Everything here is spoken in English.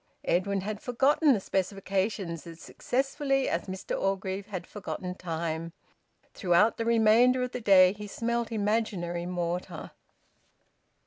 Edwin had forgotten the specifications as successfully as Mr Orgreave had forgotten time. Throughout the remainder of the day he smelt imaginary mortar.